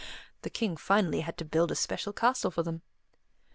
The King finally had to build a special castle for them.